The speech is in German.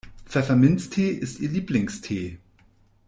Pfefferminztee ist ihr Lieblingstee.